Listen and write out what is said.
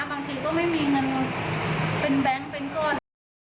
บางทีก็ไม่มีเงินเป็นแบงค์เป็นก้อน